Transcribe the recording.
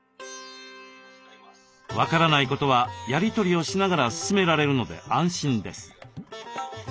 分からないことはやり取りをしながら進められるので安心です。